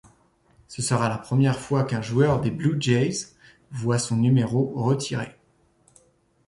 Ce sera la première fois qu'un joueur des Blue Jays voit son numéro retiré.